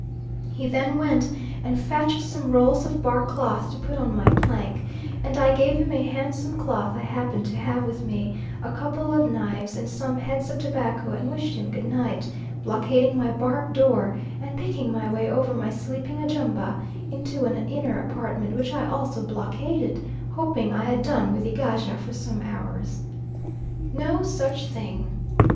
He then went and fetched some rolls of bark cloth to put on my plank, and I gave him a handsome cloth I happened to have with me, a couple of knives, and some heads of tobacco and wished him goodnight; blockading my bark door, and picking my way over my sleeping Ajumba into an inner apartment which I also blockaded, hoping I had done with Egaja for some hours. No such thing.